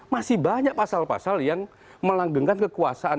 masih banyak pasal pasal yang melanggengkan kekuasaan